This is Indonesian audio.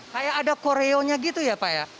kayak ada koreonya gitu ya pak ya